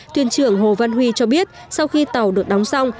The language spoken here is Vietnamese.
thuyền trưởng hồ văn huy cho biết sau khi tàu được đóng xong